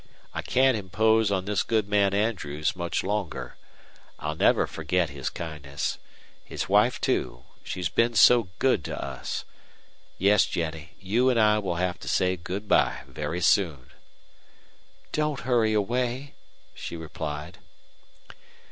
"I can't impose on this good man Andrews much longer. I'll never forget his kindness. His wife, too she's been so good to us. Yes, Jennie, you and I will have to say good by very soon." "Don't hurry away," she replied.